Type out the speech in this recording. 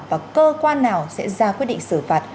và cơ quan nào sẽ ra quyết định xử phạt